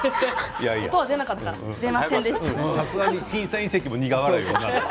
さすがに審査員席も今のは苦笑いよ。